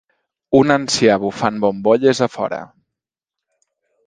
Un ancià bufant bombolles a fora.